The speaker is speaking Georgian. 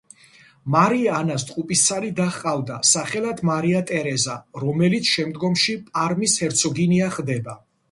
მარია ანას ტყუპისცალი და ჰყავდა, სახელად მარია ტერეზა, რომელიც შემდგომში პარმის ჰერცოგინია ხდება.